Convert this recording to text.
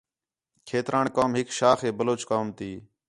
کھیتران قوم ہک شاخ ہے بلوچ قوم تی